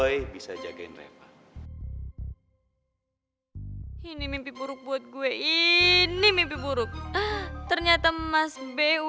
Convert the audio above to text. yaudah ibu tenang aja bu